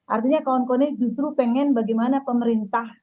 artinya kawan kawannya justru pengen bagaimana pemerintah